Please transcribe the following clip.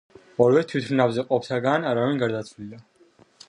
ორივე თვითმფრინავზე მყოფთაგან არავინ გარდაცვლილა.